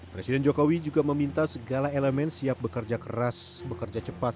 presiden jokowi juga meminta segala elemen siap bekerja keras bekerja cepat